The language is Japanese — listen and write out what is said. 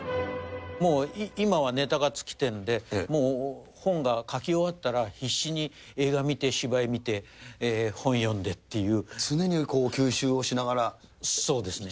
もう今はネタが尽きているんで、もう本が書き終わったら、必死に映画見て、芝居見て、本読んでっ常にこう、そうですね。